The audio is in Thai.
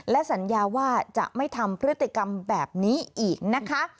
และสัญญาว่าจะไม่ทำพฤติกรรมแบบนี้อีกนะคะ